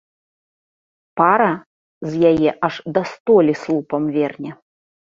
Пара з яе аж да столі слупам верне.